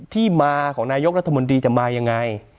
ที่มาของนายกรัฐมนตรีจะมายังไง